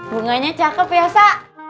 bunganya cakep ya sa